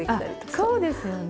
あそうですよね。